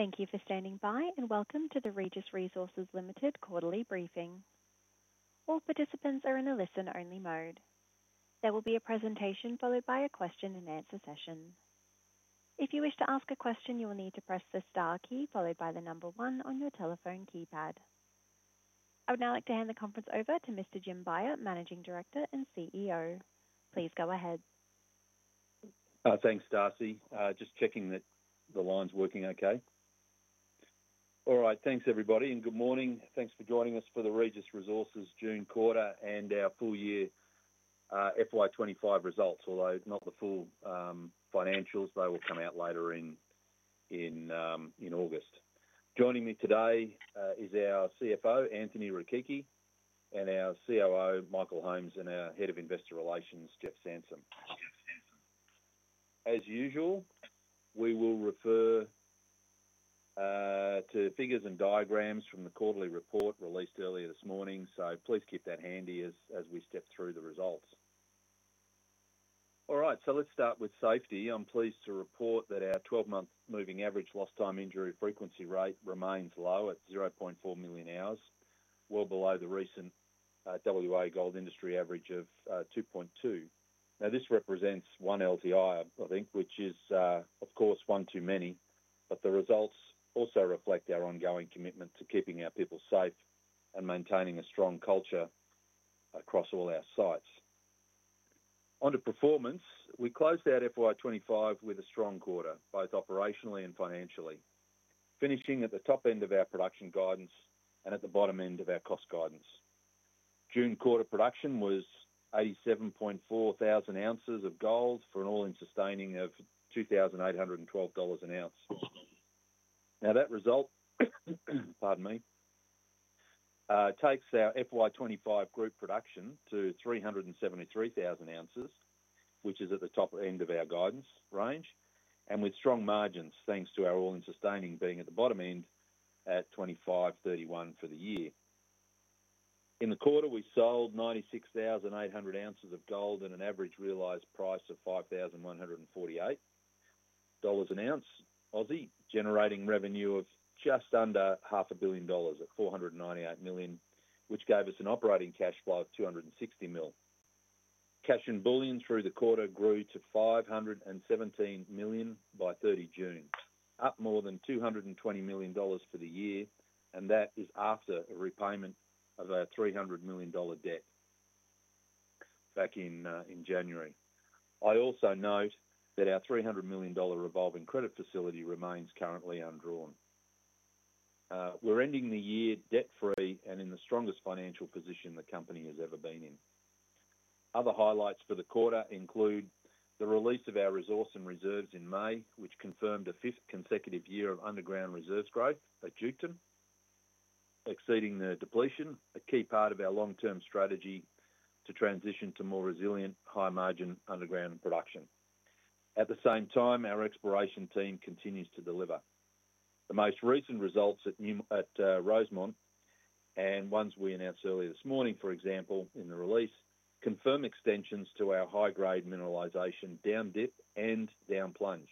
Thank you for standing by, and welcome to the Regis Resources Limited Quarterly Briefing. All participants are in a listen only mode. There will be a presentation followed by a question and answer session. I would now like to hand the conference over to Mr. Jim Beyer, Managing Director and CEO. Please go ahead. Thanks, Darcy. Just checking that the line is working okay. All right. Thanks everybody and good morning. Thanks for joining us for the Regis Resources June and our full year FY 2025 results, although not the full financials, they will come out later in August. Joining me today is our CFO, Anthony Rakicchi and our COO, Michael Holmes and our Head of Investor Relations, Jeff Sansom. As usual, we will refer to figures and diagrams from the quarterly report released earlier this morning. So please keep that handy as we step through the results. All right, so let's start with safety. I'm pleased to report that our twelve month moving average lost time injury frequency rate remains low at zero 400,000 hours, well below the recent WA gold industry average of 2.2. Now this represents one LTI, I think, which is, of course one too many, but the results also reflect our ongoing commitment to keeping our people safe and maintaining a strong culture across all our sites. On the performance, we closed out FY 2025 with a strong quarter, both operationally and financially, finishing at the top end of our production guidance and at the bottom end of our cost guidance. June production was 87,400 ounces of gold for an all in sustaining of $2,812 an ounce. Now that result takes our FY 2025 group production to 373,000 ounces, which is at the top end of our guidance range and with strong margins, thanks to our all in sustaining being at the bottom end at 25,031 for the year. In the quarter, we sold 96,800 ounces of gold at an average realized price of $5,148 an ounce, generating revenue of just under $05,000,000,000 at $498,000,000 which gave us an operating cash flow of $260,000,000 Cash and bullion through the quarter grew to $517,000,000 by thirty June, up more than $220,000,000 for the year and that is after repayment of our $300,000,000 debt back in January. I also note that our $300,000,000 revolving credit facility remains currently undrawn. We're ending the year debt free and in the strongest financial position the company has ever been in. Other highlights for the quarter include the release of our resource and reserves in May, which confirmed the fifth consecutive year of underground reserves growth at Juton, exceeding the depletion, a key part of our long term strategy to transition to more resilient high margin underground production. At the same time, our exploration team continues to deliver. The most recent results at Rosemont and ones we announced earlier this morning, for example, in the release, confirm extensions to our high grade mineralization down dip and down plunge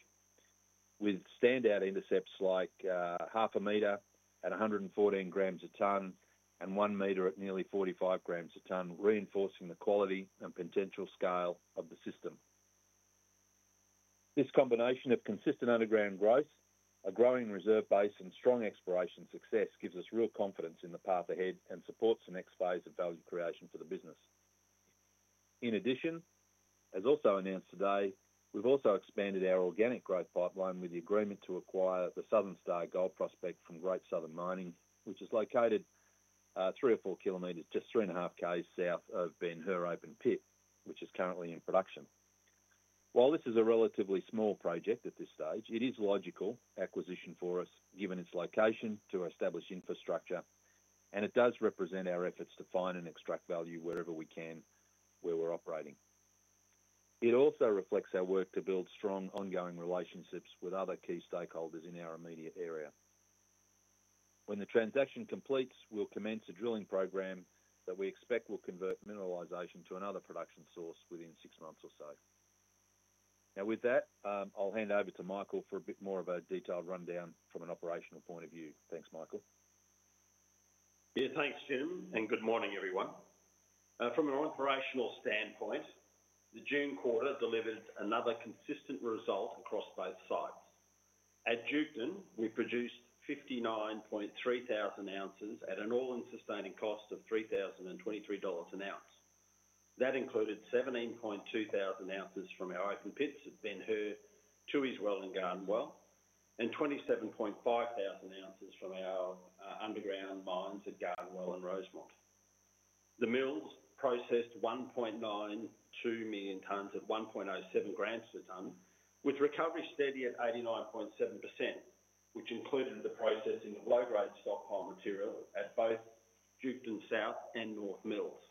with standout intercepts like zero five meter at 114 grams a ton and one meter at nearly 45 grams a ton reinforcing the quality and potential scale of the system. This combination of consistent underground growth, a growing reserve base and strong exploration success gives us real confidence in the path ahead and supports the next phase of value creation for the business. In addition, as also announced today, we've also expanded our organic growth pipeline with the agreement to acquire the Southern Star gold prospect from Great Southern Mining, which is located three or four kilometers, just 3.5 kilometers south of Ben Hur Open Pit, which is currently in production. While this is a relatively small project at this stage, it is logical acquisition for us given its location to establish infrastructure and it does represent our efforts to find and extract value wherever we can where we're operating. It also reflects our work to build strong ongoing relationships with other key stakeholders in our immediate area. When the transaction completes, we'll commence a drilling program that we expect will convert mineralization to another production source within six months or so. Now with that, I'll hand over to Michael for a bit more of a detailed rundown from an operational point of view. Thanks, Michael. Yes. Thanks, Jim, and good morning, everyone. From an operational standpoint, the June delivered another consistent result across both sites. At Jukedan, we produced 59,300 ounces at an all in sustaining cost of $3,023 an ounce. That included 17,200 ounces from our open pits at Ben Hur, Chuy's Well and Garden Well and 27,005 ounces from our underground mines at Garden Well and Rosemont. The mills processed 1,920,000 tonnes at 1.07 grams per tonne with recovery steady at 89.7%, which included the processing of low grade stockpile material at both Dukedown South and North Mills.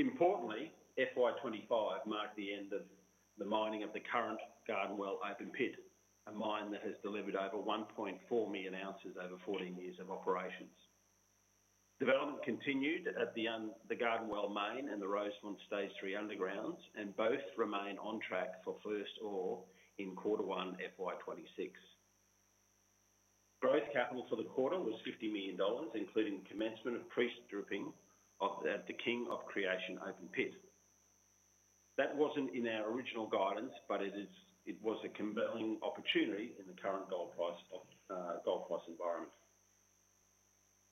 Importantly, FY twenty twenty five marked the end of the mining of the current Garden Well open Pit, a mine that has delivered over 1,400,000 ounces over fourteen years of operations. Development continued at the Garden Well mine and the Rosemont Stage Three undergrounds and both remain on track for first ore in quarter one FY twenty twenty six. Growth capital for the quarter was $50,000,000 including commencement of pre stripping of the King Of Creation Open Pit. That wasn't in our original guidance, but it was a compelling opportunity in the current gold price environment.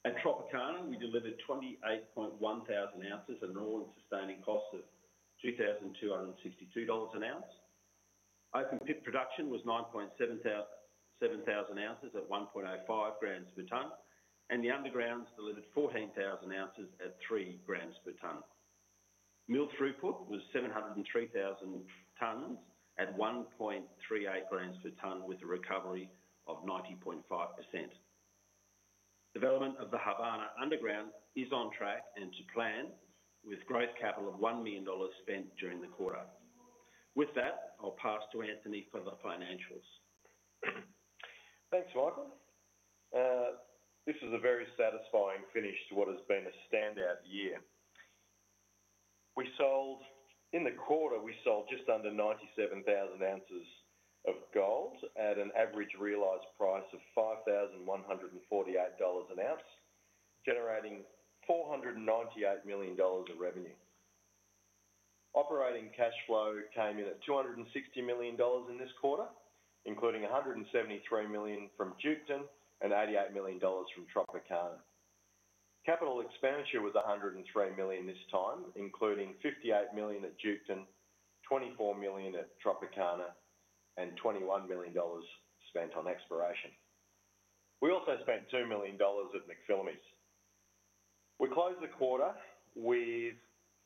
At Tropicana, we delivered 28,100 ounces at an all in sustaining cost of $2,262 an ounce. Open pit production was 9,700 ounces at 1.05 grams per tonne and the undergrounds delivered 14,000 ounces at three grams per tonne. Mill throughput was 703,000 tonnes at 1.38 grams per tonne with a recovery of 90.5%. Development of the Havana underground is on track and to plan with growth capital of $1,000,000 spent during the quarter. With that, I'll pass to Anthony for the financials. Thanks, Michael. This is a very satisfying finish to what has been a standout year. We sold in the quarter, we sold just under 97,000 ounces of gold at an average realized price of $5,148 an ounce, generating $498,000,000 of revenue. Operating cash flow came in at $260,000,000 in this quarter, including $173,000,000 from Juketon and $88,000,000 from Tropicana. Capital expenditure was $103,000,000 this time, including $58,000,000 at Duketon, 24,000,000 at Tropicana and $21,000,000 spent on exploration. We also spent $2,000,000 at McPhillamy's. We closed the quarter with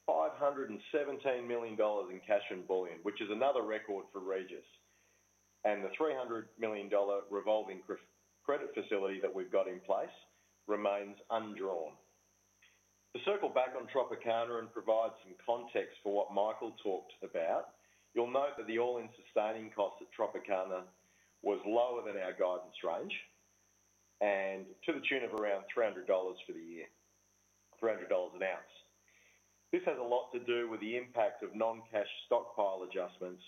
$517,000,000 in cash and bullion, which is another record for Regis and the $300,000,000 revolving credit facility that we've got in place remains undrawn. To circle back on Tropicana and provide some context for what Michael talked about, you'll note that the all in sustaining cost at Tropicana was lower than our guidance range and to the tune of around $300 for the year $300 an ounce. This has a lot to do with the impact of non cash stockpile adjustments,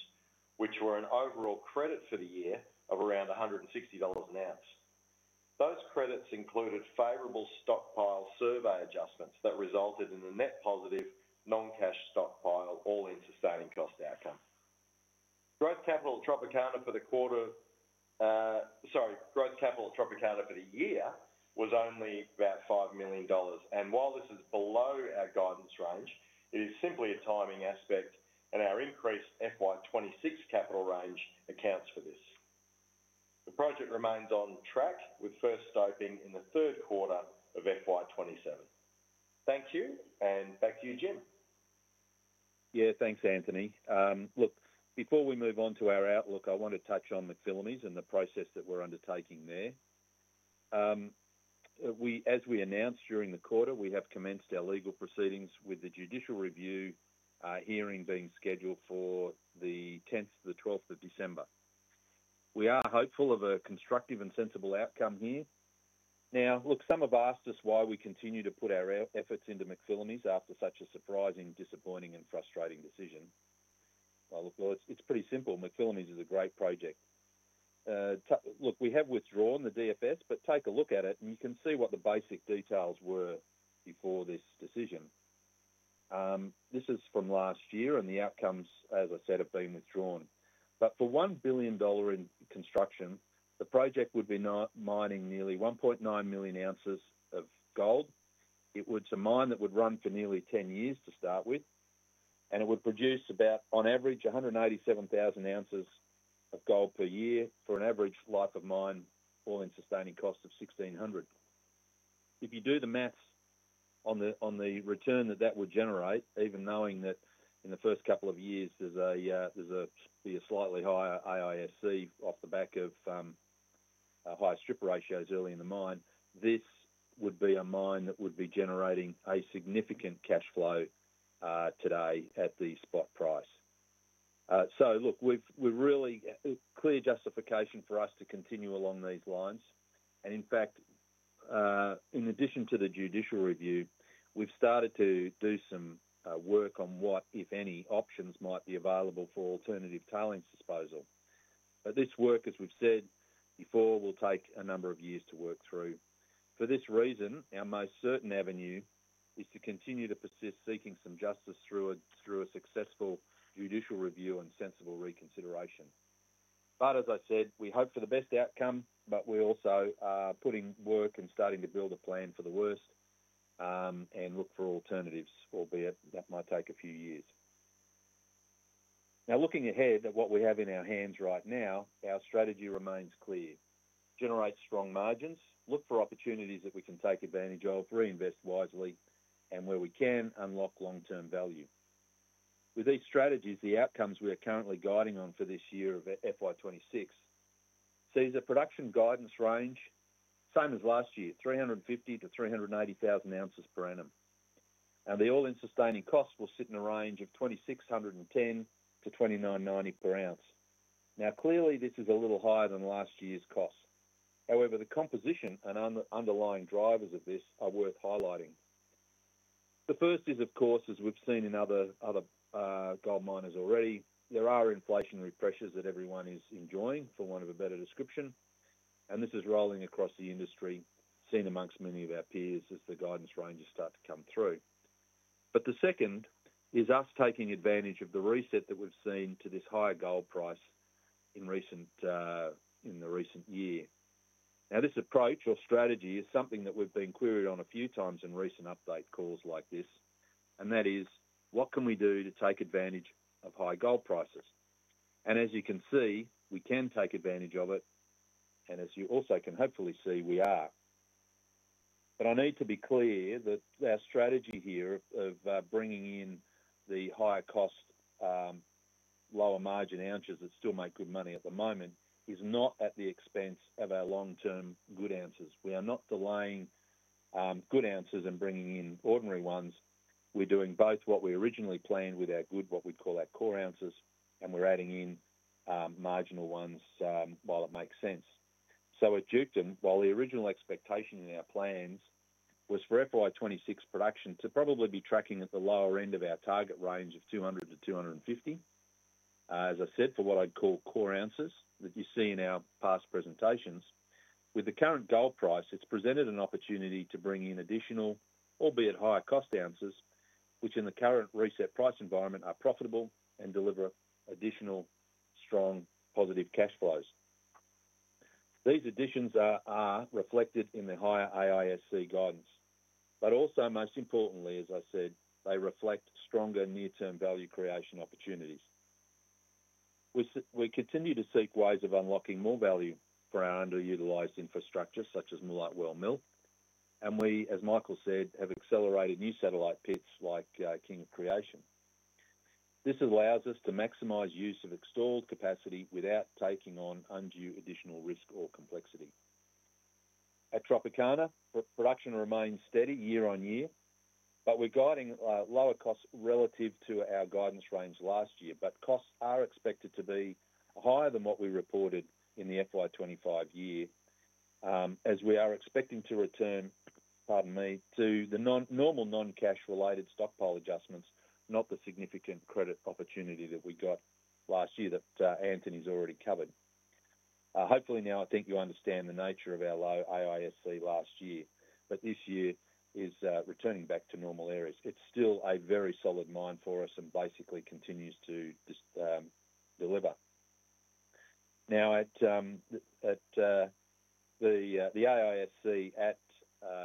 which were an overall credit for the year of around $160 an ounce. Those credits included favorable stockpile survey adjustments that resulted in a net positive non cash stockpile all in sustaining cost outcome. Growth capital Tropicana for the quarter sorry, growth capital Tropicana for the year was only about $5,000,000 And while this is below our guidance range, it is simply a timing aspect and our increased FY twenty twenty six capital range accounts for this. The project remains on track with first stoping in the third quarter of FY twenty twenty seven. Thank you and back to you Jim. Yes. Thanks, Anthony. Look, before we move on to our outlook, I want to touch on the Filaments and the process that we're undertaking there. As we announced during the quarter, we have commenced our legal proceedings with the judicial review hearing being scheduled for the tenth to the December 12. We are hopeful of a constructive and sensible outcome here. Now look, some have asked us why we continue to put our efforts into MacPhillamys after such a surprising, disappointing and frustrating decision. Well, it's pretty simple. MacPhillamys is a great project. Look, we have withdrawn the DFS, but take a look at it and you can see what the basic details were before this decision. This is from last year and the outcomes as I said have been withdrawn. But for $1,000,000,000 in construction, the project would be mining nearly 1,900,000 ounces of gold. It would it's a mine that would run for nearly ten years to start with and it would produce about on average 187,000 ounces of gold per year for an average life of mine all in sustaining cost of 1,600. If you do the math on the return that, that would generate, even knowing that in the first couple of years, there's a slightly higher AISC off the back of higher strip ratios early in the mine, this would be a mine that would be generating a significant cash flow today at the spot price. So look, we've really clear justification for us to continue along these lines. And in fact, in addition to the judicial review, we've started to do some work on what if any options might be available for alternative tailings disposal. But this work, as we've said before will take a number of years to work through. For this reason, our most certain avenue is to continue to persist seeking some justice through a successful judicial review and sensible reconsideration. But as I said, we hope for the best outcome, but we also are putting work and starting to build a plan for the worst and look for alternatives, albeit that might take a few years. Now looking ahead at what we have in our hands right now, our strategy remains clear, generate strong margins, look for opportunities that we can take advantage of, reinvest wisely and where we can unlock long term value. With these strategies, the outcomes we are currently guiding on for this year of FY 2026 sees the production guidance range same as last year, 350,000 to 390,000 ounces per annum. And the all in sustaining costs will sit in a range of $2,610 to $2,990 per ounce. Now clearly, this is a little higher than last year's costs. However, the composition and underlying drivers of this are worth highlighting. The first is, of course, as we've seen in other gold miners already, there are inflationary pressures that everyone is enjoying for one of a better description and this is rolling across the industry seen amongst many of our peers as the guidance ranges start to come through. But the second is us taking advantage of the reset that we've seen to this higher gold price in recent in the recent year. Now this approach or strategy is something that we've been cleared on a few times in recent update calls like this and that is what can we do to take advantage of high gold prices. And as you can see, we can take advantage of it and as you also can hopefully see we are. But I need to be clear that our strategy here of bringing in the higher cost, lower margin ounces that still make good money at the moment is not at the expense of our long term good ounces. We are not delaying good ounces and bringing in ordinary ones. We're doing both what we originally planned with our good what we call our core ounces and we're adding in marginal ones while it makes sense. So at Juukton, while the original expectation in our plans was for FY 2026 production to probably be tracking at the lower end of our target range of 200 to two fifty. As I said for what I'd call core ounces that you see in our past presentations, with the current gold price, it's presented an opportunity to bring in additional, albeit higher cost ounces, which in the current reset price environment are profitable and deliver additional strong positive cash flows. These additions are reflected in the higher AISC guidance, but also most importantly, as I said, they reflect stronger near term value creation opportunities. We continue to seek ways of unlocking more value for our underutilized infrastructure such as Molot Well Mill. And we, as Michael said, have accelerated new satellite pits like King of Creation. This allows us to maximize use of extolled capacity without taking on undue additional risk or complexity. At Tropicana, production remains steady year on year, but we're guiding lower costs relative to our guidance range last year, but costs are expected to be higher than what we reported in the FY 2025 year as we are expecting to return to the normal non cash related stockpile adjustments, not the significant credit opportunity that we got last year that Anthony has already covered. Hopefully now I think you understand the nature of our low AISC last year, but this year is returning back to normal areas. It's still a very solid mine for us and basically continues to deliver. Now at AISC at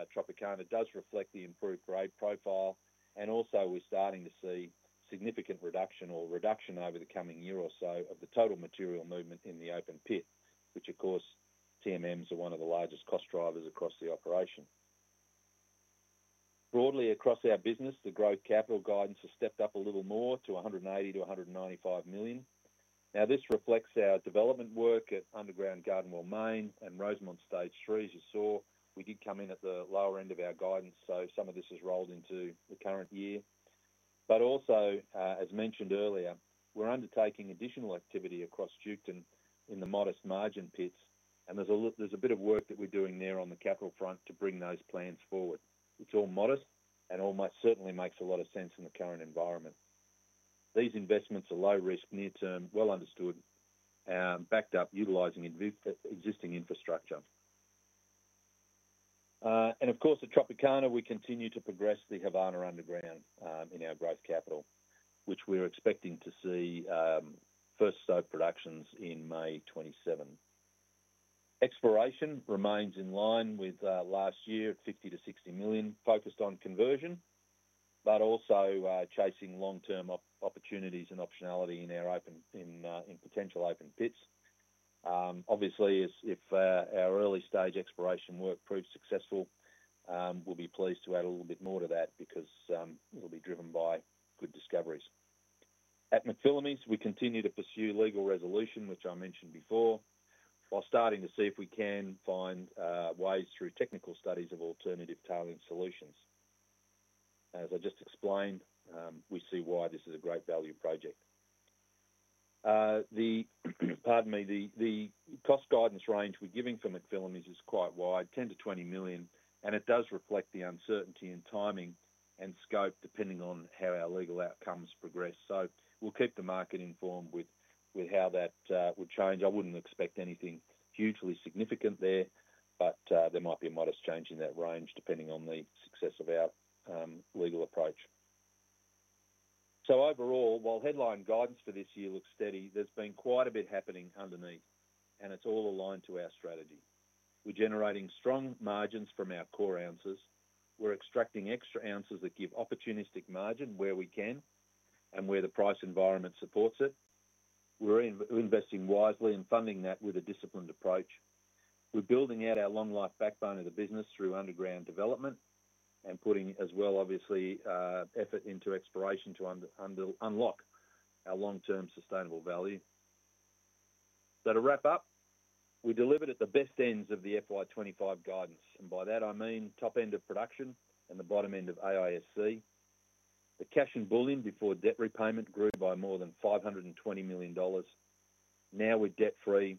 Tropicana does reflect the improved grade profile and also we're starting to see significant reduction or reduction over the coming year or so of the total material movement in the open pit, which of course TMMs are one of the largest cost drivers across the operation. Broadly across our business, the growth capital guidance has stepped up a little more to 180,000,000 to $195,000,000 Now this reflects our development work at Underground Garden Wall Main and Rosemont Stage 3 as you saw. We did come in at the lower end of our guidance, so some of this is rolled into the current year. But also, as mentioned earlier, we're undertaking additional activity across Duketon in the modest margin pits and there's a bit of work that we're doing there on the capital front to bring those plans forward. It's all modest and almost certainly makes a lot of sense in the current environment. These investments are low risk near term, well understood backed up utilizing existing infrastructure. And of course, at Tropicana, we continue to progress the Havana underground in our growth capital, which we're expecting to see first stope productions in May 27. Exploration remains in line with last year at 50,000,000 to $60,000,000 focused on conversion, but also chasing long term opportunities and optionality in their open in potential open pits. Obviously, if our early stage exploration work proves successful, we'll be pleased to add a little bit more to that because it will be driven by good discoveries. At Macphillamy's, we continue to pursue legal resolution, which I mentioned before, while starting to see if we can find ways through technical studies of alternative tailing solutions. As I just explained, we see why this is a great value project. Cost guidance range we're giving for Macphillamy is quite wide, 10,000,000 to 20,000,000 and it does reflect the uncertainty and timing and scope depending on how our legal outcomes progress. So we'll keep the market informed with how that would change. I wouldn't expect anything hugely significant there, but there might be a modest change in that range depending on the success of our legal approach. So overall, while headline guidance for this year looks steady, there's been quite a bit happening underneath and it's all aligned to our strategy. We're generating strong margins from our core ounces. We're extracting extra ounces that give opportunistic margin where we can and where the price environment supports it. We're investing wisely and funding that with a disciplined approach. We're building out our long life backbone of the business through underground development and putting as well obviously effort into exploration to unlock our long term sustainable value. So to wrap up, we delivered at the best ends of the FY 2025 guidance and by that I mean top end of production and the bottom end of AISC. The cash and bullion before debt repayment grew by more than $520,000,000 Now we're debt free,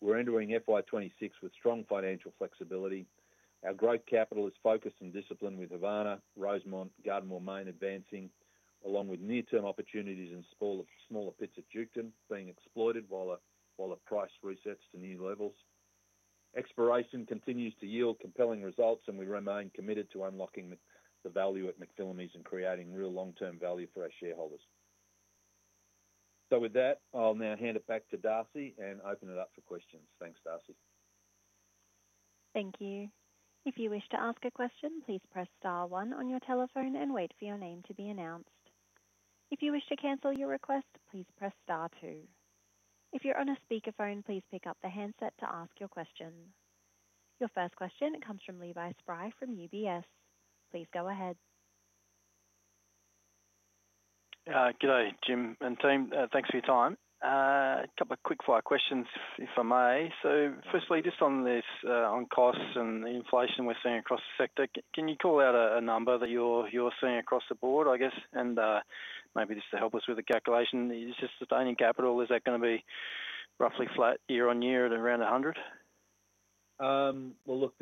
we're entering FY 2026 with strong financial flexibility. Our growth capital is focused and disciplined with Havana, Rosemont, Gardnemore mine advancing along with near term opportunities in smaller pits at Juketan being exploited the price resets to new levels. Exploration continues to yield compelling results and we remain committed to unlocking the value at MacPhillamys and creating real long term value for our shareholders. So with that, I'll now hand it back to Darcy and open it up for questions. Thanks, Darcy. Thank Your first question comes from Levi Spry from UBS. Please go ahead. Good day, Jim and team. Thanks for your time. A couple of quick follow-up questions, if I may. So firstly, just on this on costs and the inflation we're seeing across the sector. Can you call out a number that you're seeing across the board, I guess? And maybe just to help us with the calculation, is it sustaining capital, is that going to be roughly flat year on year at around 100? Well, look,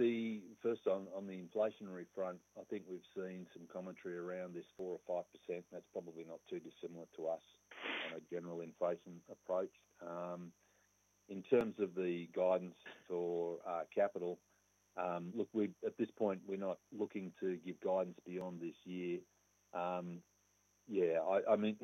first on the inflationary front, I think we've seen some commentary around this 4% or 5%. That's probably not too dissimilar to us on a general inflation approach. In terms of the guidance for capital, look, we at this point, we're not looking to give guidance beyond this year. Yes, I mean,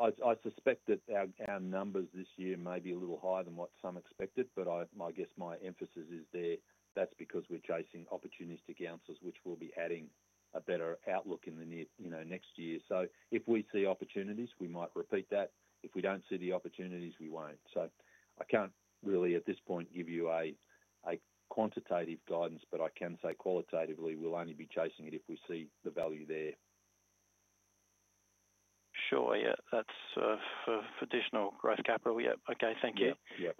I suspect that our numbers this year may be a little higher than what some expected, but I guess my emphasis is that that's because we're chasing opportunities to Gounsel's, which will be adding a better outlook in the next year. So if we see opportunities, we might repeat that. If we don't see the opportunities, we won't. So I can't really at this point give you a quantitative guidance, but I can say qualitatively, we'll only be chasing it if we see the value there. Sure. Yes, that's for additional growth capital. Okay. Thank you. Yes.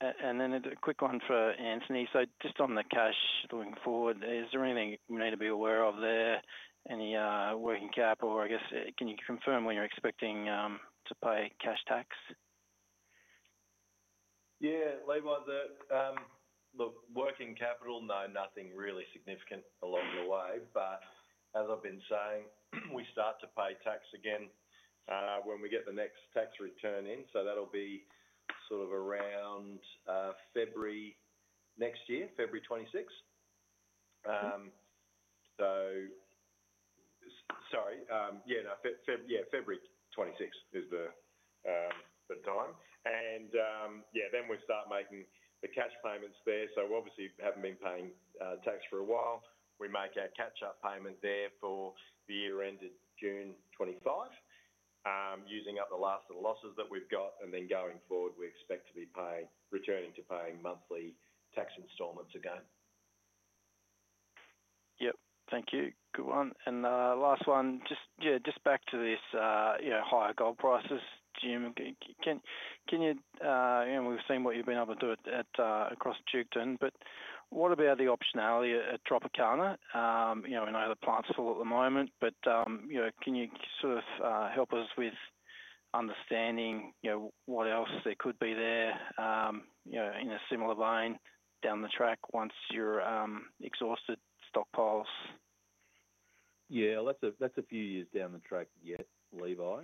Then a quick one for Anthony. So just on the cash going forward, is there anything we need to be aware of there? Any working capital or I guess can you confirm when you're expecting to pay cash tax? Yes, Levi, working capital, no, nothing really significant along the way. But as I've been saying, we start to pay tax again, when we get the next tax return in. So that'll be sort of around, February next year, February 26. So sorry, yes, February 26 is the time. And, yes, then we start making the cash payments there. So obviously, we haven't been paying tax for a while. We make our catch up payment there for the year ended June 25, using up the loss of losses that we've got and then going forward, we expect to be returning to paying monthly tax installments again. Yes. Thank you. Good one. And last one, just back to this higher gold prices, Jim, can you and we've seen what you've been able to do at across Tewton, but what about the optionality at Tropicana? I know the plant's full at the moment, but can you sort of help us with understanding what else that could be there in a similar line down the track once you're exhausted stockpiles? Yes, that's a few years down the track yet, Levi.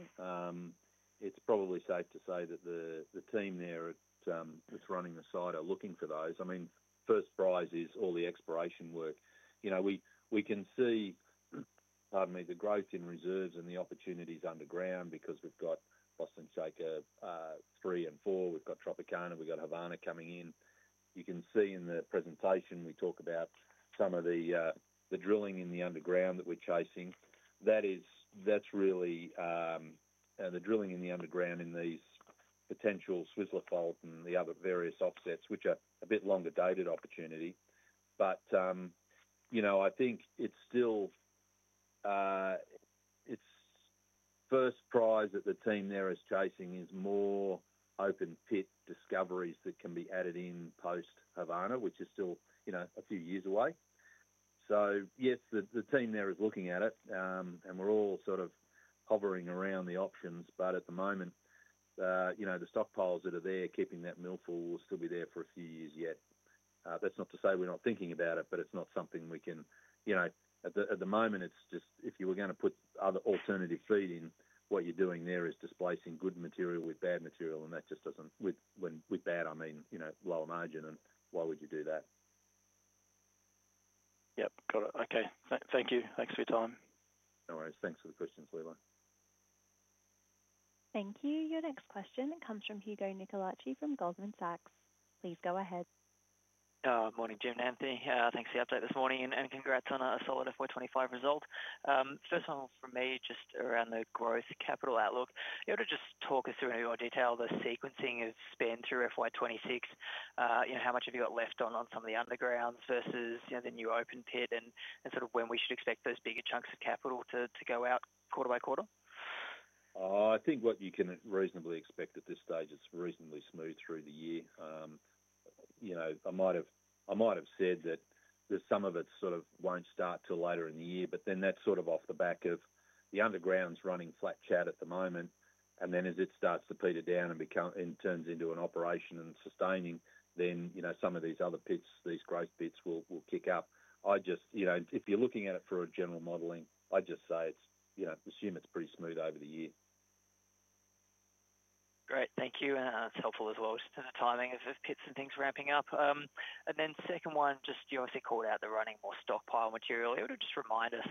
It's probably safe to say that the team there that's running the site are looking for those. I mean, first prize is all the exploration work. We can see the growth in reserves and the opportunities underground because we've got Boston Chica three and four, we've got Tropicana, we've Havana coming in. You can see in the presentation, we talk about some of the drilling in the underground that we're chasing. That is that's really the drilling in the underground in these potential Swizzler Fault and the other various offsets, which are a bit longer dated opportunity. But I think it's still it's first prize that the team there is chasing is more open pit discoveries that can be added in post Havana, which is still a few years away. So yes, the team there is looking at it, and we're all sort of hovering around the options. But at the moment, the stockpiles that are there keeping that mill full will still be there for a few years yet. That's not to say we're not thinking about it, but it's not something we can at the moment, it's just if you were going to put other alternative feeding, what you're doing there is displacing good material with bad material and that just doesn't with bad, I mean, lower margin and why would you do that. Yes, got it. Okay. Thank you. Thanks for your time. No worries. Thanks for the questions, Leroy. Thank you. Your next question comes from Hugo Nicolache from Goldman Sachs. Please go ahead. Good morning, Jim and Anthony. Thanks for the update this morning and congrats on a solid FY 2025 result. First one for me just around the growth capital outlook. Can just talk us through any more detail the sequencing of spend through FY 2026? How much have you got left on some of the underground versus the new open pit and sort of when we should expect those bigger chunks of capital to go out quarter by quarter? I think what you can reasonably expect at this stage is reasonably smooth through the year. I might have said that there's some of it sort of won't start till later in the year, but then that's sort of off the back of the underground is running flat chat at the moment. And then as it starts to peter down and becomes and turns into an operation and sustaining, then some of these other pits, these growth pits will kick up. I just if you're looking at it for a general modeling, I'd just say it's assume it's pretty smooth over the year. Great. Thank you. And that's helpful as well as timing of the pits and things ramping up. And then second one, just you obviously called out the running more stockpile material. If you could just remind us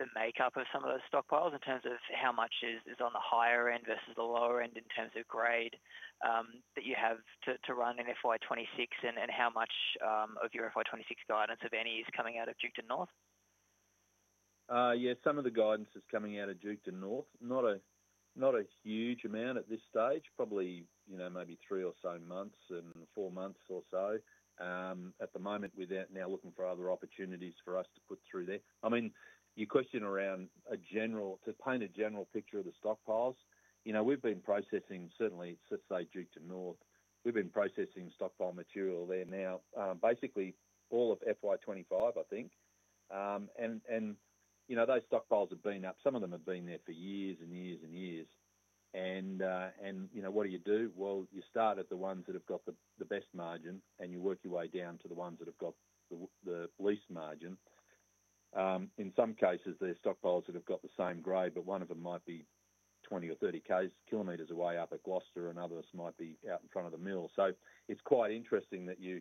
the makeup of some of those stockpiles in terms of how much is on the higher end versus the lower end in terms of grade that you have to run-in FY 2026? And how much of your FY 2026 guidance, if any, is coming out of Juukan North? Yes. Some of the guidance is coming out of Juukton North, not a huge amount at this stage, probably maybe three or so months and four months or so. At the moment, we're now looking for other opportunities for us to put through there. I mean, your question around a general to paint a general picture of the stockpiles, we've been processing certainly, let's say, Duke to North, we've been processing stockpile material there now, basically all of FY 2025, I think. And those stockpiles have been up. Some of them have been there for years and years and years. And what do you do? Well, you start at the ones that have got the best margin and you work your way down to the ones that have got the least margin. In some cases, the stockpiles that have got the same grade, but one of them might be 20 kilometers or 30 kilometers away up at Gloucester and others might be out in front of the mill. So it's quite interesting that you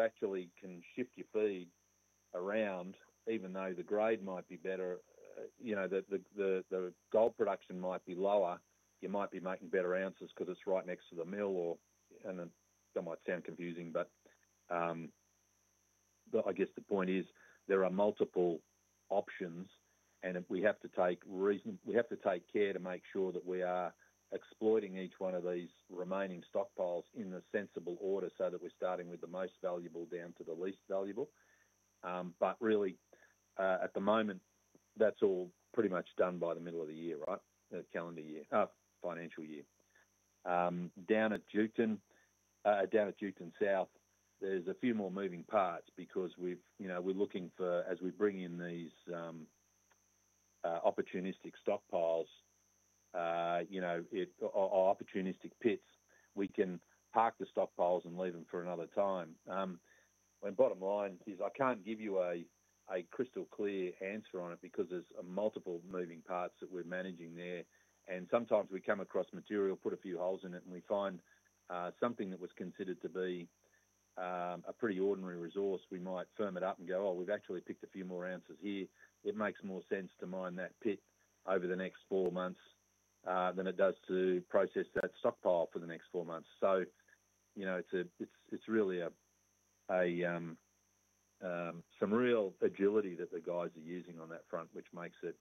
actually can shift your feed around even though the grade might be better, the gold production might be lower, you might be making better ounces because it's right next to the mill or and then that might sound confusing, but I guess the point is there are multiple options and we have to take reason we have to take care to make sure that we are exploiting each one of these remaining stockpiles in a sensible order, so that we're starting with the most valuable down to the least valuable. But really, the moment, that's all pretty much done by the middle of the year, right, calendar year financial year. Down at South, there's a few more moving parts because we're looking for as we bring in these opportunistic stockpiles, opportunistic pits, we can park the stockpiles and leave them for another time. And bottom line is I can't give you a crystal clear answer on it because there's multiple moving parts that we're managing there. And sometimes we come across material, put a few holes in it and we find something that was considered to be a pretty ordinary resource, we might firm it up and go, we've actually picked a few more ounces here. It makes more sense to mine that pit over the next four months than it does to process that stockpile for the next four months. So it's really a some real agility that the guys are using on that front, which makes it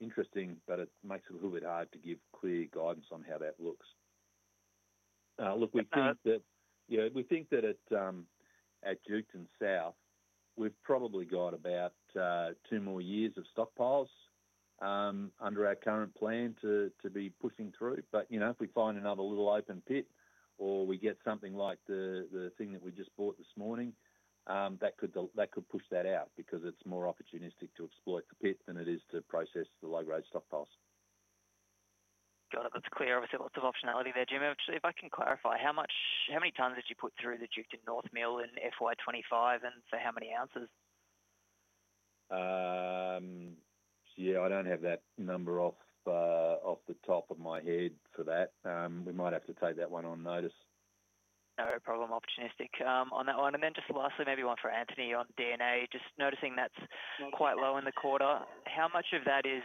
interesting, but it makes it a little bit hard to give clear guidance on how that looks. Look, think that at Juketon South, we've probably got about two more years of stockpiles under our current plan to be pushing through. But if we find another little open pit or we get something like the thing that we just bought this morning, that push that out because it's more opportunistic to exploit the pit than it is to process the low grade stockpiles. It. That's clear. Obviously, lots of optionality there, Jim. If I can clarify, how much how many tonnes did you put through the Juukan North mill in FY twenty twenty five and for how many ounces? Yes, I don't have that number off the top of my head for that. We might have to take that one on notice. No problem. Opportunistic on that one. And then just lastly, maybe one for Anthony on D and A. Just noticing that's quite How low in the much of that is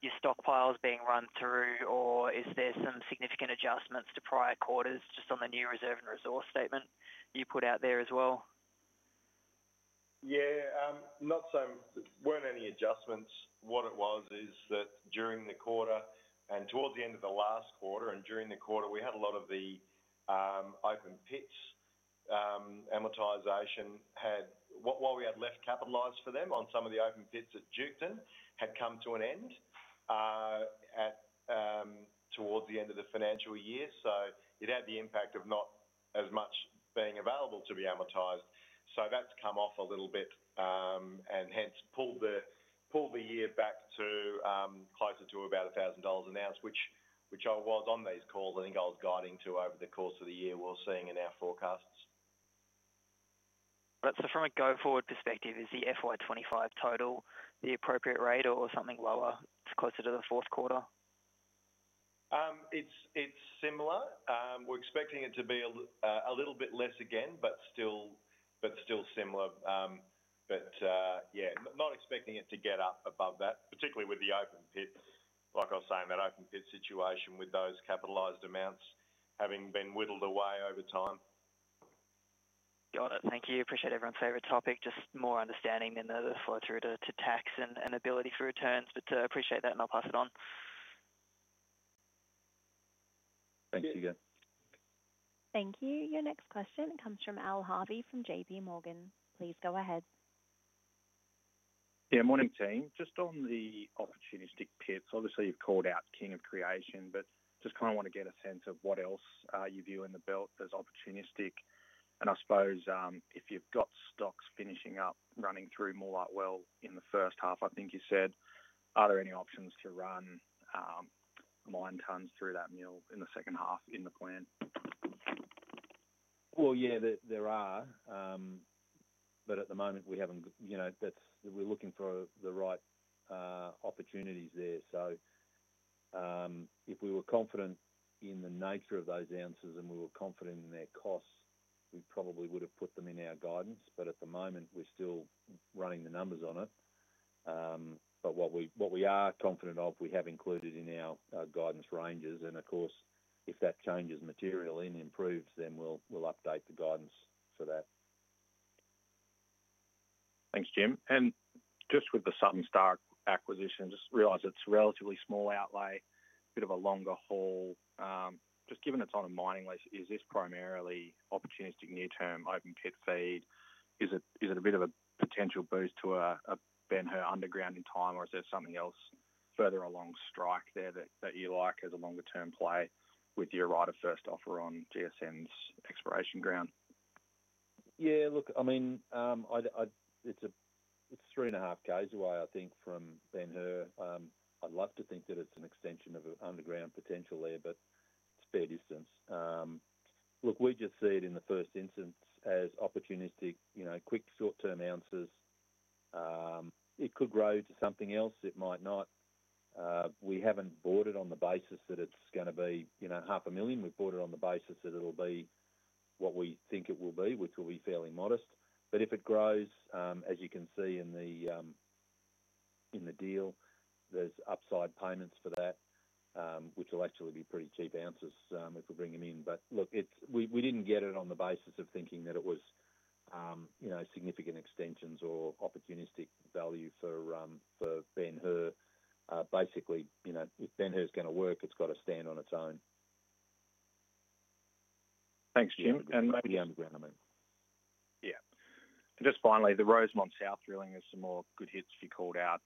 your stockpiles being run through or is there some significant adjustments to prior quarters just on the new reserve and resource statement you put out there as well? Yes. Not so weren't any adjustments. What it was is that during the quarter and towards the end of the last quarter and during the quarter, we had a lot of the, open pits, amortization had while we had left capitalized for them on some of the open pits at Juketon had come to an end, at, towards the end of the financial year. So it had the impact of not as much being available to be amortized. So that's come off a little bit, and hence pull the year back to, closer to about $1,000 an ounce, which I was on these calls, I think I was guiding to over the course of the year we're seeing in our forecasts. But so from a go forward perspective, is the FY 2025 total the appropriate rate or something lower closer to the fourth quarter? It's similar. We're expecting it to be a little bit less again, but still similar. But yes, not expecting it to get up above that, particularly with the open pit, like I was saying that open pit situation with those capitalized amounts having been whittled away over time. Got it. Thank you. Appreciate everyone's favorite topic, just more understanding than the flow through to tax and ability for returns, but appreciate that and I'll pass it on. Thank you. Thank you. Your next question comes from Al Harvey from JPMorgan. Please go ahead. Yes, morning team. Just on the opportunistic pits, obviously you've called out King of Creation, but just kind of want to get a sense of what else you view in the belt as opportunistic. And I suppose if you've got stocks finishing up running through Molot well in the first half, think you said, are there any options to run mine tons through that mill in the second half in the plan? Well, yes, there are. But at the moment, we haven't that's we're looking for the right opportunities there. So if we were confident in the nature of those ounces and we were confident in their costs, we probably would have put them in our guidance. But at the moment, we're still running the numbers on it. But what we are confident of, we have included in our guidance ranges. And of course, if that change is materially improved, then we'll update the guidance for that. Thanks, Jim. And just with the Southern Star acquisition, just realized it's relatively small outlay, bit of a longer haul. Just given it's on a mining list, is this primarily opportunistic near term open pit feed? Is it a bit of a potential boost to a Ben Hur underground in time? Or is there something else further along strike there that you like as a longer term play with your right of first offer on GSM's exploration ground? Yes. Look, I mean, it's 3.5 ks away, I think, from Ben Hur. I'd love to think that it's an extension of underground potentially, but it's very distance. Look, we just see it in the first instance as opportunistic, quick short term ounces. It could grow to something else, it might not. We haven't bought it on the basis that it's going to be $500,000 We bought it on the basis that it will be what we think it will be, which will be fairly modest. But if it grows, as you can see in the deal, there's upside payments for that, which will actually be pretty cheap ounces if we bring them in. But look, it's we didn't get it on the basis of thinking that it was significant extensions or opportunistic value for Ben Hur. Basically, Ben Hur is going to work, it's got to stand on its own. Thanks, Jim. Maybe Yes. And just finally, the Rosemont South drilling is some more good hits you called out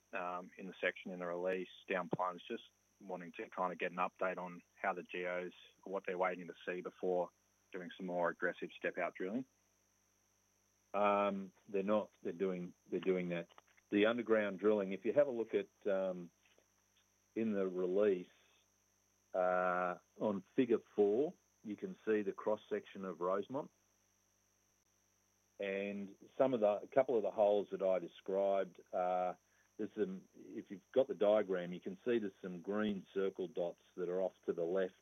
in the section in the release down plans. Just wanting to kind of get an update on how the geos what they're waiting to see before doing some more aggressive step out drilling? They're not they're doing that. The underground drilling, if you have a look at in the release on Figure four, you can see the cross section of Rosemont. And some of the couple of the holes that I described, there's some if you've got the diagram, you can see there's some green circle dots that are off to the left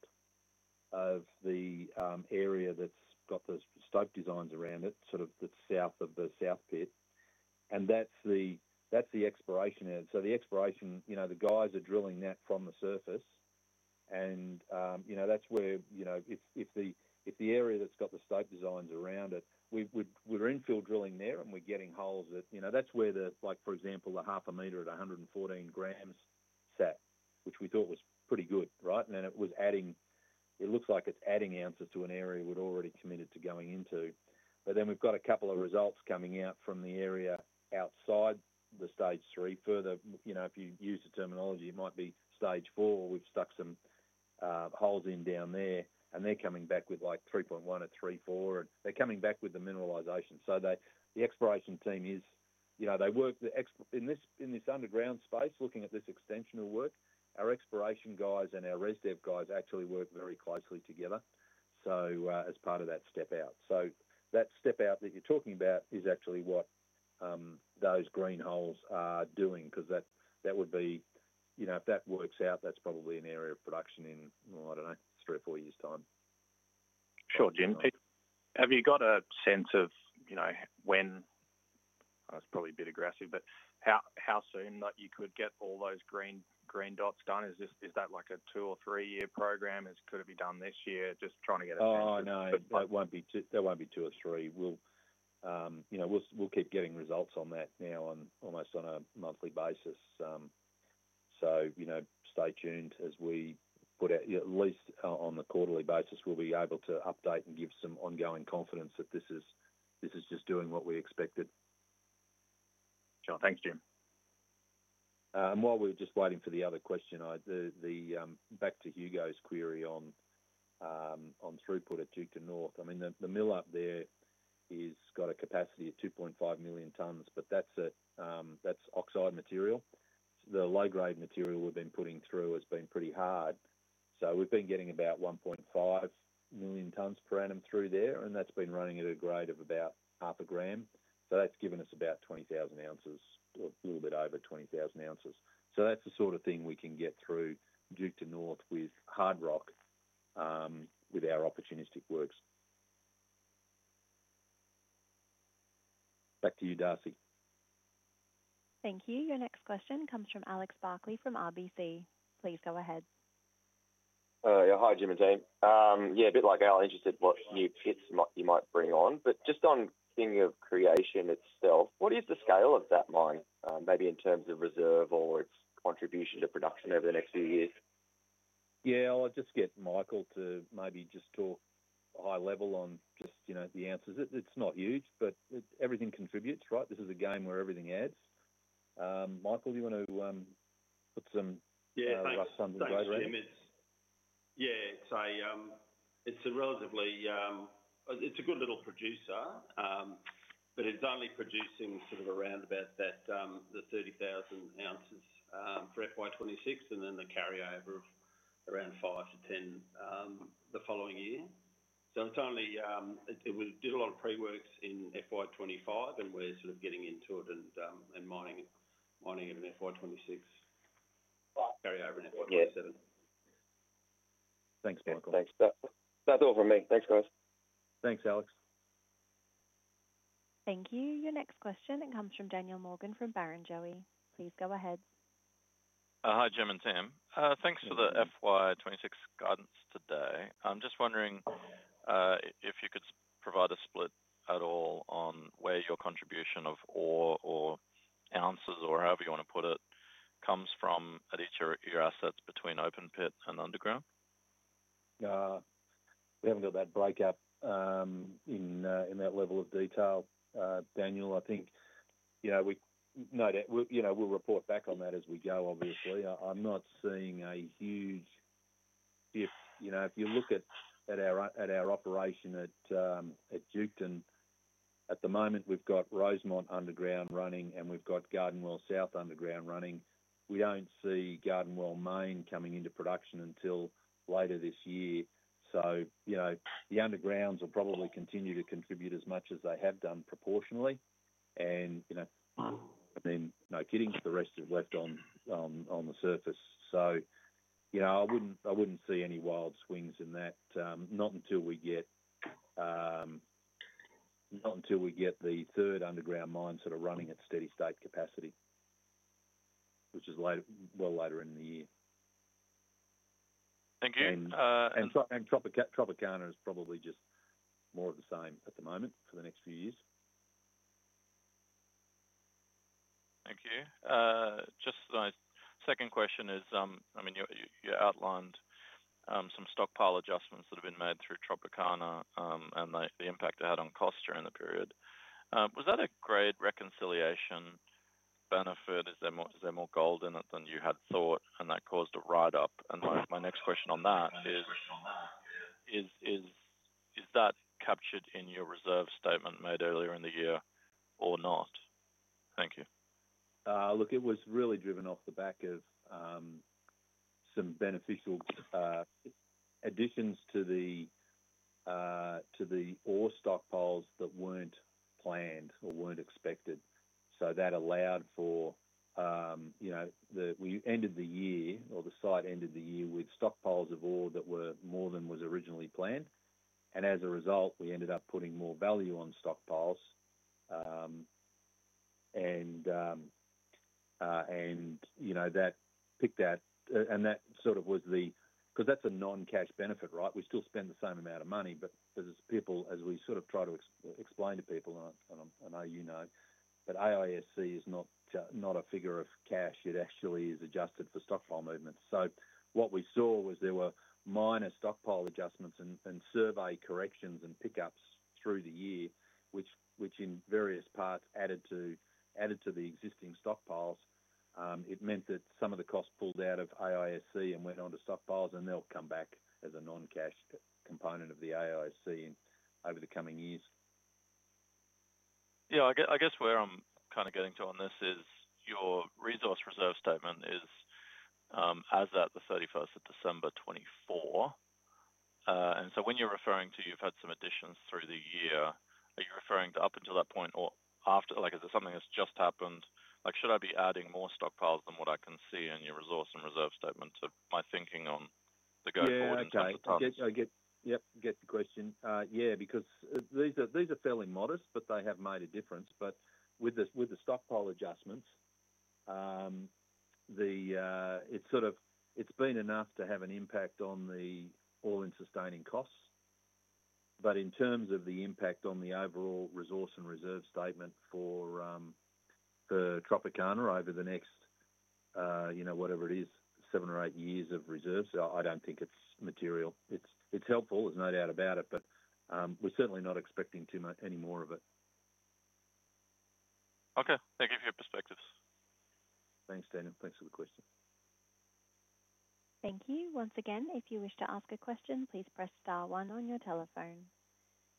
of the area that's got those stope designs around it sort of the South of the South Pit. And that's the exploration. So the exploration, the guys are drilling that from the surface and that's where if the area that's got the site designs around it, we're infill drilling there and we're getting holes that that's where the like for example, the zero five meter at 114 grams set, which we thought was pretty good, right? And then it was adding it looks like it's adding ounces to an area we'd already committed to going into. But then we've got a couple of results coming out from the area outside the Stage three further. If you use the terminology, it might be Stage four, we've stuck some holes in down there and they're coming back with like 3.1 or 3.4, they're coming back with the mineralization. So the exploration team is they work in this underground space, looking at this extensional work, our exploration guys and our ResDev guys actually work very closely together, so as part of that step out. So that step out that you're talking about is actually what those green holes are doing, because that would be if that works out, that's probably an area of production in, I don't know, three or four years' time. Sure, Jim. Have you got a sense of when I was probably a bit aggressive, but how soon that you could get all those green dots done? Is that like a two or three year program? Is it going to be done this year? Just trying to get a sense of No, there won't be two or three. We'll keep getting results on that now and almost on a monthly basis. So stay tuned as we put at least on the quarterly basis, we'll be able to update and give some ongoing confidence that this is just doing what we expected. Sure. Thanks, Jim. While we're just waiting for the other question, the back to Hugo's query on throughput at Juukan North. I mean the mill up there is got a capacity of 2,500,000 tonnes, but that's oxide material. The low grade material we've been putting through has been pretty hard. So we've been getting about 1,500,000 tonnes per annum through there and that's been running at a grade of about zero five gram. So that's given us about 20,000 ounces, a little bit over 20,000 ounces. So that's the sort of thing we can get through due to North with hard rock with our opportunistic works. Back to you, Darcy. Thank you. Your next question comes from Alex Barclay from RBC. Please go ahead. Hi, Jim and Dave. Yes, a bit like I was just interested in what new pits you might bring on. But just on King Of Creation itself, what is the scale of that mine, maybe in terms of reserve or its contribution to production over the next few years? Yes. I'll just get Michael to maybe just talk a high level It's not huge, but everything contributes, right? This is a game where everything adds. Michael, do you want to put some Yes, Tim. It's a relatively it's a good little producer, but it's only producing sort of around about that, the 30,000 ounces, for FY 2026 and then the carryover of around five to 10, the following year. So it's only, we did a lot of preworks in FY 2025 and we're sort of getting into it and mining it in FY 2026 carry over in FY '27. Michael. Thanks. That's all for me. Thanks guys. Thanks, Alex. Thank you. Your next question comes from Daniel Morgan from Baron Joey. Please go ahead. Hi, Jim and Tim. Thanks for the FY 2026 guidance today. I'm just wondering if you could provide a split at all on where your contribution of ore ounces or however you want to put it comes from at each of your assets between open pit and underground? We haven't got that breakout in that level of detail, Daniel. I think we'll report back on that as we go, obviously. I'm not seeing a huge if you look at our operation at Juketon, at the moment, we've got Rosemont Underground running and we've got Gardenwell South Underground running. We don't see Gardenwell Main coming into production until later this year. So the undergrounds will probably continue to contribute as much as they have done proportionally. And no kidding, the rest is left on the surface. So I wouldn't see any wild swings in that, not until we get the third underground mine sort of running at steady state capacity, which is later well later in the year. Thank you. And Tropicana is probably just more of the same at the moment for the next few years. Thank you. Just my second question is, I mean, outlined some stockpile adjustments that have been made through Tropicana and the impact it had on costs during the period. Was that a great reconciliation benefit? Is there more gold in it than you had thought and that caused a write up? And my next question on that is, is that captured in your reserve statement made earlier in the year or not? Thank you. Look, it was really driven off the back of some beneficial additions to the ore stockpiles that weren't planned or weren't expected. So that allowed for we ended the year or the site ended the year with stockpiles of ore that were more than was originally planned. And as a result, we ended up putting more value on stockpiles. And picked that and that sort of was the because that's a non cash benefit, right? We still spend the same amount of money, but as people as we sort of try to explain to people and I know you know but IASC is not a figure of cash, it actually is adjusted for stockpile movements. So what we saw was there were minor stockpile adjustments and survey corrections and pickups through the year, which in various parts added to the existing stockpiles. It meant that some of the costs pulled out of IISC and went on to stockpiles and they'll come back as a non cash component of the IISC over the coming years. Yes. I guess where I'm kind of getting to on this is your resource reserve statement is as at the December 31. And so when you're referring to you've had some additions through the year, are you referring to up until that point or after like is there something that's just happened? Like should I be adding more stockpiles than what I can see in your resource and reserve statement to my thinking on the go forward in terms of targets? I get the question. Yes, because these are fairly modest, but they have made a difference. But with the stockpile adjustments, the it's sort of it's been enough to have an impact on the all in sustaining costs. But in terms of the impact on the overall resource and reserve statement for Tropicana over the next, whatever it is, seven or eight years of reserves, I don't think it's material. It's helpful, there's no doubt about it, but we're certainly not expecting too much anymore of it. Okay. Thank you for your perspectives. Thanks, Dan. Thanks for the question. Thank you.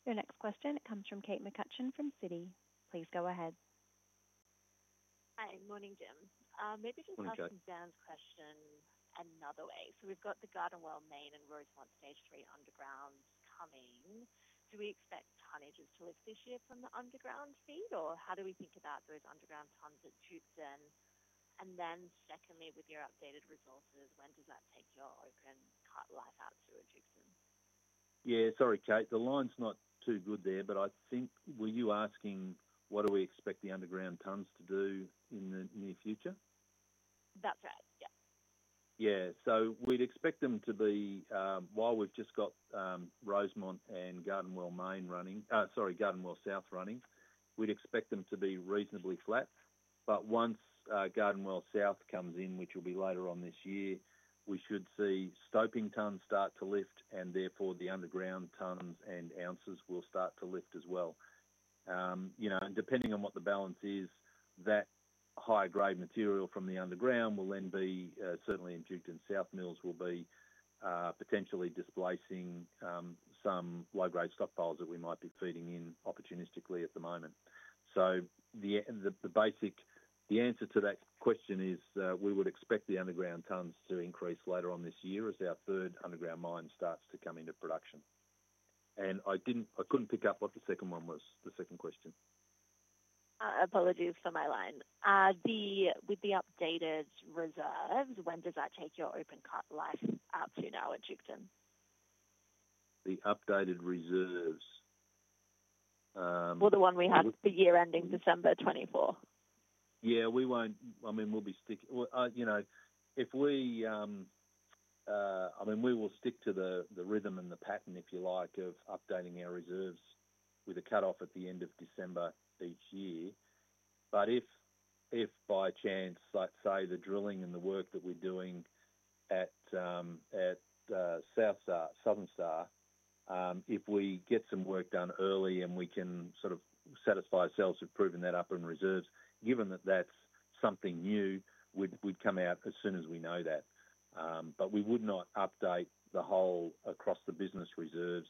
Your next question comes from Kate McCutcheon from Citi. Please go ahead. Hi, good morning, Jim. Maybe just ask Good Sam's question another way. So we've got the Garden Well Main and Rosemont Stage 3 underground coming. Do we expect tonnages to lift this year from the underground feed? Or how do we think about those underground tons at Juukan? And then secondly, with your updated resources, when does that take your open cut life out to Richardson? Yes. Sorry, Kate. The line is not too good there, but I think were you asking what do we expect the underground tonnes to do in the near future? That's right. Yes. Yes. So we'd expect them to be while we've just got Rosemont and Gardenwell South running, we'd expect them to be reasonably flat. But once Gardenwell South comes in, which will be later on this year, we should see stoping tons start to lift and therefore the underground tons and ounces will start to lift as well. And depending on what the balance is, that high grade material from the underground will then be certainly in Juukan South mills will be potentially displacing some low grade stockpiles that we might be feeding in opportunistically at the moment. So the basic the answer to that question is we would expect the underground tons to increase later on this year as our third underground mine starts to come into production. And I didn't I couldn't pick up what the second one was, the second question. Apologies for my line. The with the updated reserves, when does that take your open cut life up to now at Juukton? The updated reserves. Well, the one we had for year ending December 24. Yes, we won't I mean, we'll be stick if we I mean, we will stick to the rhythm and the pattern, if you like, of updating our reserves with a cutoff at the December each year. But if by chance, let's say, the drilling and the work that we're doing at Southern Star, if we get some work done early and we can sort of satisfy ourselves, we've proven that up in reserves, given that that's something new, we'd come out as soon as we know that. But we would not update the whole across the business reserves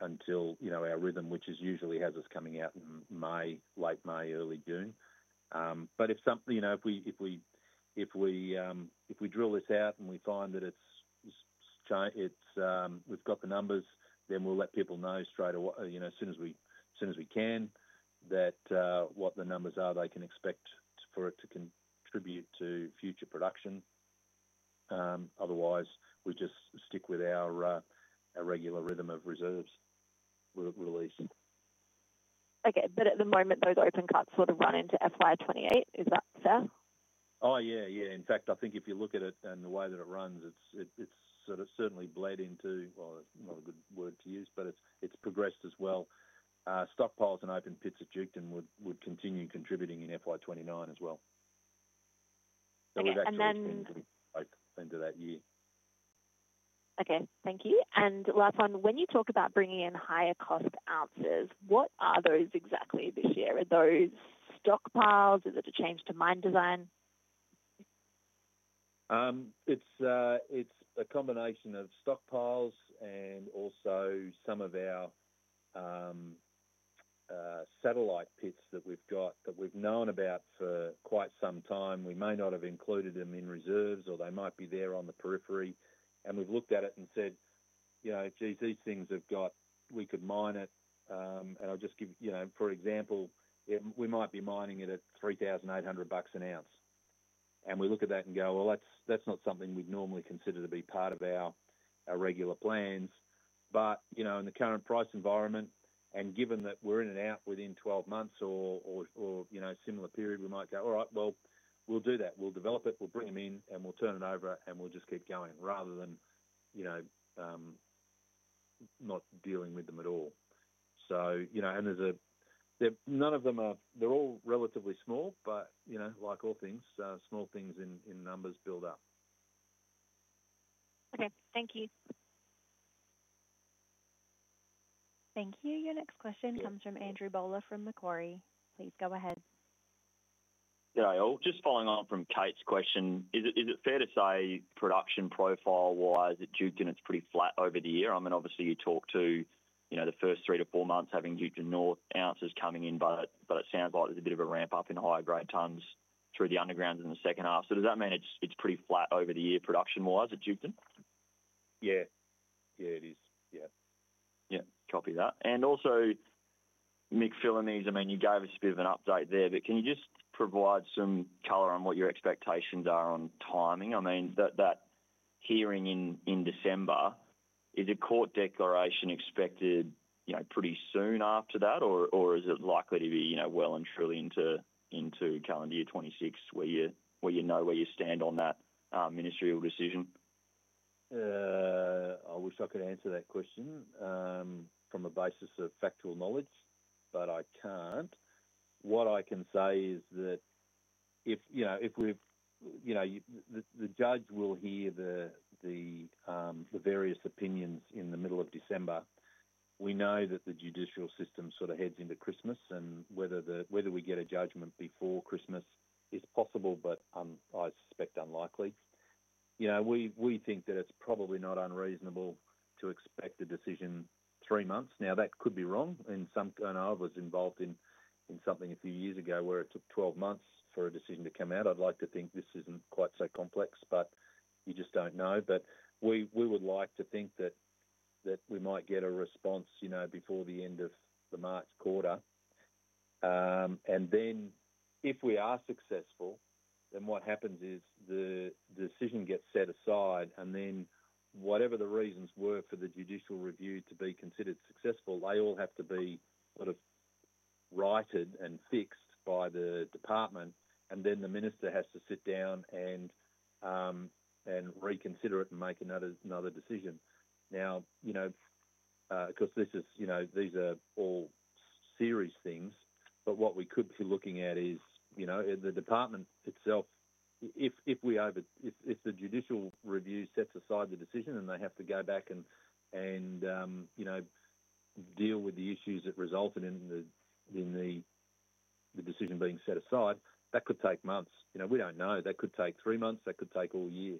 until our rhythm, which is usually has us coming out in May, late May, early June. But if something if we drill this out and we find that it's we've got the numbers, then we'll let people know straight as soon as we can that what the numbers are they can expect for it to contribute to future production. Otherwise, we just stick with our regular rhythm of reserves release. Okay. But at the moment, those open cuts sort of run into FY 2028. Is that fair? Yes, yes. In fact, I think if you look at it and the way that it runs, it's sort of certainly bled into well, it's not a good word to use, but it's progressed as well. Stockpiles and open pits at Juukan would continue contributing in FY 2029 as well. So we've actually been into that year. Okay. Thank you. And last one, when you talk about bringing in higher cost ounces, what are those exactly this year? Are those stockpiles? Is it a change to mine design? It's a combination of stockpiles and also some of our satellite pits that we've got that we've known about for quite some time. We may not have included them in reserves or they might be there on the periphery. And we've looked at it and said, these things have got we could mine it. And I'll just give for example, we might be mining it at $3,800 an ounce. And we look at that and go, well, that's not something we'd normally consider to be part of our regular plans. But in the current price environment and given that we're in and out within twelve months or similar period, we might go, all right, well, we'll do that. We'll develop it, we'll bring them in and we'll turn it over and we'll just keep going rather than not dealing with them at all. And there's none of them are they're all relatively small, but like all things, small things in numbers build up. Okay. Thank you. Thank you. Your next question comes from Andrew Bowler from Macquarie. Please go ahead. Just following on from Kate's question, is it fair to say production profile wise, it's pretty flat over the year? I mean, obviously, you talked to the first three to four months having Juukan north ounces coming in, but it sounds like there's a bit of a ramp up in higher grade tonnes through the underground in the second half. So does that mean it's pretty flat over the year production wise at Juukan? Yes. Yes, it is. Yes. Copy that. And also, Mick Filamese, mean, you gave us a bit of an update there, but can you just provide some color on what your expectations are on timing? I mean, that hearing in December, is the court declaration expected pretty soon after that? Or is it likely to be well and truly into calendar year 2026, where you know where you stand on that ministerial decision? I wish I could answer that question from a basis of factual knowledge, but I can't. What I can say is that if we the judge will hear the various opinions in the December. We know that the judicial system sort of heads into Christmas and whether we get a judgment before Christmas is possible, but I suspect unlikely. We think that it's probably not unreasonable to expect the decision three months. Now that could be wrong and some I was involved in something a few years ago where it took twelve months for a decision to come out. I'd like to think this isn't quite so complex, but you just don't know. But we would like to think that we might get a response before the end of the March. And then if we are successful, then what happens is the decision gets set aside and then whatever the reasons were for the judicial review to be considered successful, they all have to be sort of righted and fixed by the department. And then the minister has to sit down and reconsider it and make another decision. Now, because this is these are all serious things, but what we could be looking at is the department itself, if we are if the judicial review sets aside the decision and they have to go back and deal with the issues that resulted in the decision being set aside, that could take months. We don't know. That could take three months. That could take all year.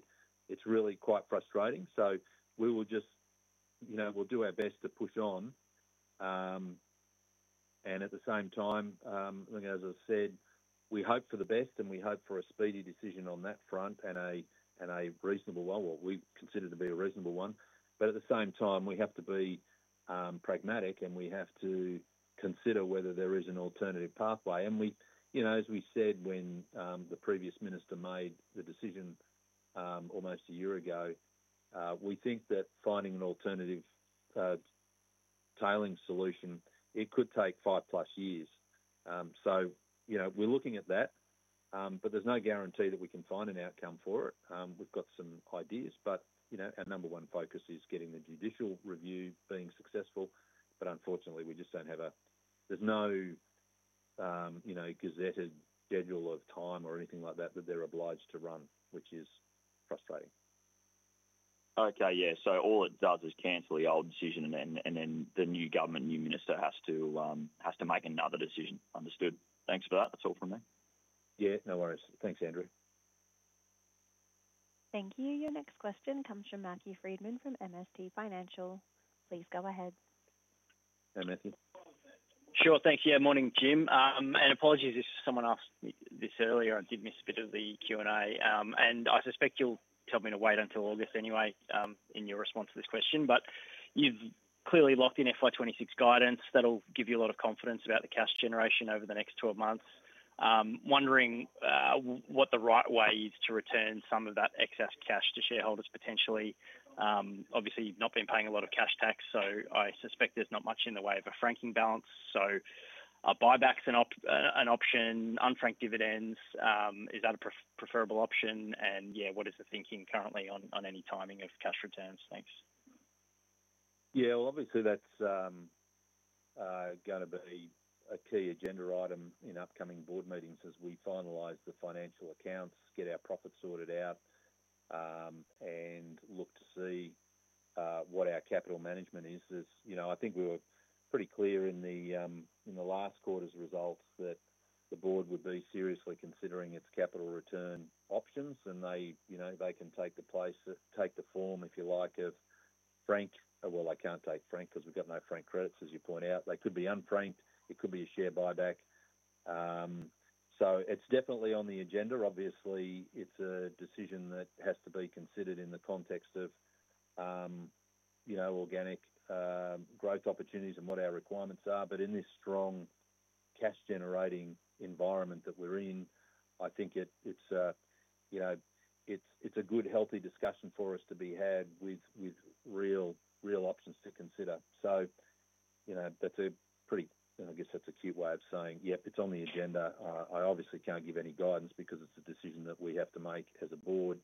It's really quite frustrating. So we will just we'll do our best to push on. And at the same time, as I've said, we hope for the best and we hope for a speedy decision on that front and a reasonable one, what we consider to be a reasonable one. But at the same time, we have to be pragmatic and we have to consider whether there is an alternative pathway. And we as we said when the previous minister made the decision almost a year ago, we think that finding an alternative tailing solution, it could take five plus years. So we're looking at that, but there's no guarantee that we can find an outcome for it. We've got some ideas, but our number one focus is getting the judicial review being successful. But unfortunately, we just don't have a there's no gazetted schedule of time or anything like that, that they're obliged to run, which is frustrating. Okay. Yes. So all it does is cancel the old decision and then the new government, new minister has to make another decision. Understood. Thanks for that. That's all from me. Yes. No worries. Thanks, Andrew. Thank you. Your next question comes from Matthew Friedman from MST Financial. Please go ahead. Hi, Matthew. Sure. Thank you. Good morning, Jim. And apologies if someone asked me this earlier, did miss a bit of the Q and A. And I suspect you'll tell me to wait until August anyway in your response to this question. But you've clearly locked in FY 2026 guidance that will give you a lot of confidence about the cash generation over the next twelve months. Wondering what the right way is to return some of that excess cash to shareholders potentially. Obviously, you've not been paying a lot of cash tax, so I suspect there's not much in the way of a franking balance. So are buybacks an option, unfranked dividends, is that a preferable option? And yes, what is the thinking currently on any timing of cash returns? Yes. Well, obviously, that's going to be a key agenda item in upcoming board meetings as we finalize the financial accounts, get our profits sorted out and look to see what our capital management is. I think we were pretty clear in the last quarter's results that the Board would be seriously considering its capital return options and they can take the place take the form if you like of Frank, well, I can't take Frank because we've got no Frank credits as you point out. They could be un Frank, it could be a share buyback. So it's definitely on the agenda. Obviously, it's a decision that has to be considered in the context of organic growth opportunities and what our requirements are. But in this strong cash generating environment that we're in, I think it's a good healthy discussion for us to be had with real options to consider. So that's a pretty I guess that's a cute way of saying, yes, it's on the agenda. I obviously can't give any guidance because it's a decision that we have to make as a Board.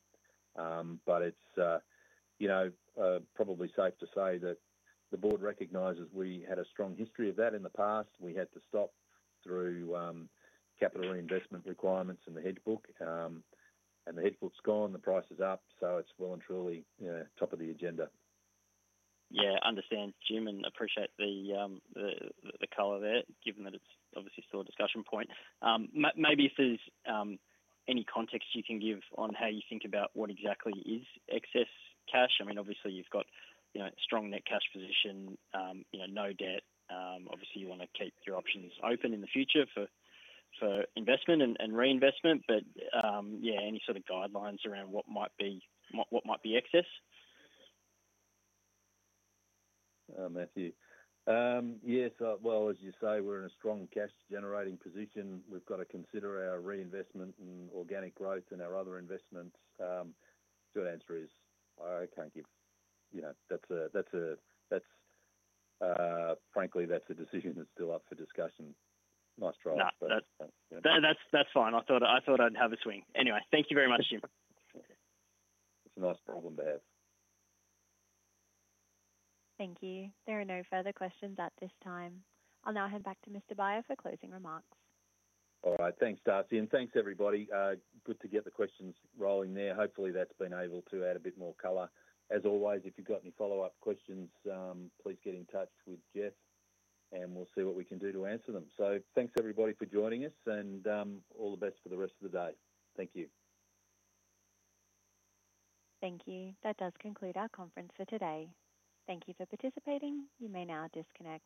But it's probably safe to say that the Board recognizes we had a strong history of that in the past. We had to stop through capital reinvestment requirements in the hedge book And the hedge book is gone, the price is up. So it's well and truly top of the agenda. Yes. I understand, Jim, and appreciate the color there, given that it's obviously still a discussion point. Maybe if there's any context you can give on how you think about what exactly is excess cash? I mean, obviously, you've got strong net cash position, no debt. Obviously, you want to keep your options open in the future for investment and reinvestment, but yes, any sort of guidelines around what might be excess? Matthew. Yes. Well, as you say, we're in a strong cash generating position. We've got to consider our reinvestment in organic growth and our other investments. So the answer is, I can't give. That's frankly, that's a decision that's still up for discussion. Nice trial. No, that's fine. I thought I'd have a swing. Anyway, thank you very much, Jim. It's a nice problem to have. Thank you. There are no further questions at this time. I'll now hand back to Mr. Baier for closing remarks. All right. Thanks, Darcy, and thanks, everybody. Good to get the questions rolling there. Hopefully, that's been able to add a bit more color. As always, if you've got any follow-up questions, please get in touch with Jeff and we'll see what we can do to answer them. So thanks everybody for joining us and all the best for the rest of the day. Thank you. Thank you. That does conclude our conference for today. Thank you for participating. You may now disconnect.